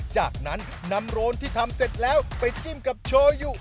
จากนั้นนำโรนที่ทำเสร็จแล้วไปจิ้มกับโชยุ